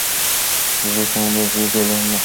যাতে সেমিনারটাকে ঘিরে হল্লা হয়?